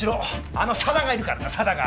あの佐田がいるからな佐田が！